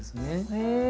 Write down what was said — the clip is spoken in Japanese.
へえ。